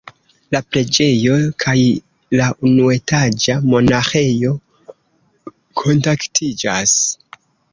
La preĝejo kaj la unuetaĝa monaĥejo kontaktiĝas.